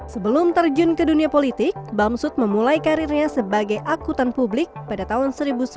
sebelum terjun ke dunia politik bamsud memulai karirnya sebagai akutan publik pada tahun seribu sembilan ratus sembilan puluh